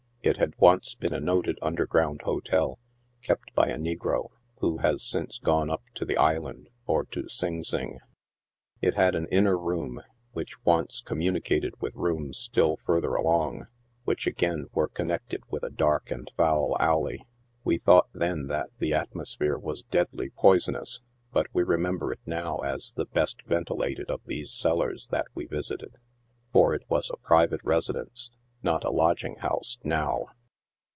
It had once been a noted underground hotel, kept by a negro, who has since gone up to the Island or to Sing Sing. It had an inner room, which once communicated with rooms still further along, which again were con nected with a dark and foul alley. We thought then that the atmo sphere was deadly poisonous, but we remember it now as the best ventilated of these cellars that we visited. For it was a private residence, not a lodging house, now